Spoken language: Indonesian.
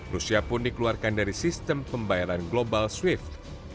rusia pun dikeluarkan dari sistem pembayaran global swift